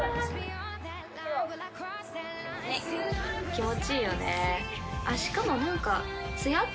気持ちいいよねあっ